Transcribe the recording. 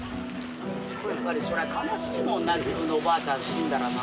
やっぱりそら悲しいもんな自分のおばあちゃん死んだらな。